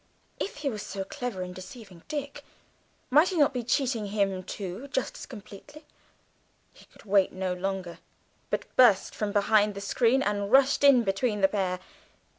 If he was so clever in deceiving Dick, might he not be cheating him, too, just as completely? He could wait no longer, but burst from behind the screen and rushed in between the pair.